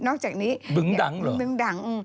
อกจากนี้บึงดังเหรอบึงดัง